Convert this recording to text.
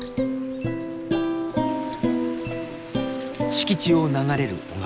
敷地を流れる小川。